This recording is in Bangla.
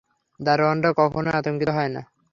দারোয়ানরা কখনই আতঙ্কিত হয় না।